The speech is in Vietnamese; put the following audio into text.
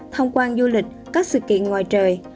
thông quan du lịch các sự kiện ngoài trời